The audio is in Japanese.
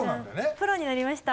プロになりました。